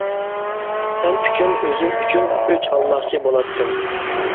سەن ئۈچۈن، ئۆزۈم ئۈچۈن ئۆچ ئالماقچى بولاتتىم.